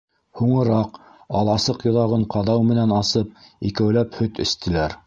Һуңыраҡ, аласыҡ йоҙағын ҡаҙау менән асып, икәүләп һөт эстеләр.